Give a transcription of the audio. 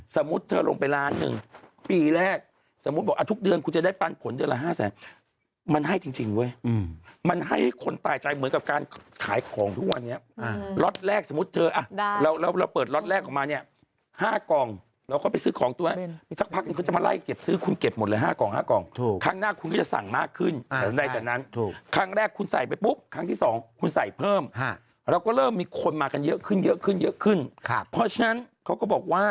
สมมุติเธอลงไปร้านหนึ่งปีแรกสมมุติบอกอ่ะทุกเดือนคุณจะได้ปันผลเดือนละห้าแสนมันให้จริงจริงเว้ยมันให้คนปล่ายใจเหมือนกับการขายของทุกวันนี้อ่าล็อตแรกสมมุติเธออ่ะได้เราเราเราเปิดล็อตแรกออกมาเนี้ยห้ากล่องเราก็ไปซื้อของตัวนั้นมีทักพักอีกคนจะมาไล่เก็บซื้อคุณเก็